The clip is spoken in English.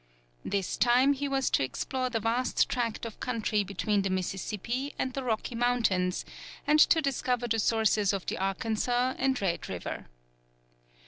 This time he was to explore the vast tract of country between the Mississippi and the Rocky Mountains, and to discover the sources of the Arkansas and Red River.